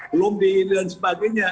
belum di dan sebagainya